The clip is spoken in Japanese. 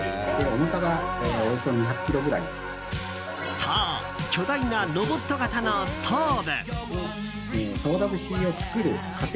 そう、巨大なロボット型のストーブ。